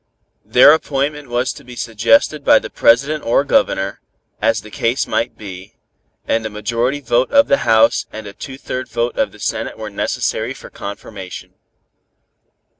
Their appointment was to be suggested by the President or Governor, as the case might be, and a majority vote of the House and a two third vote of the Senate were necessary for confirmation.